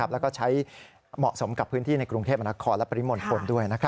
แล้วก็ใช้เหมาะสมกับพื้นที่ในกรุงเทพมนาคมและปริมณฑลด้วย